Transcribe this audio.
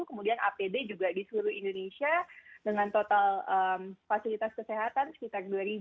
kemudian apd juga di seluruh indonesia dengan total fasilitas kesehatan sekitar dua ratus